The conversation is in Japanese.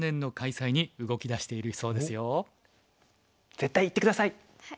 絶対行って下さい！